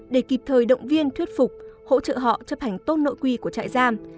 để kịp thời động viên thuyết phục hỗ trợ họ chấp hành tốt nội quy của trại giam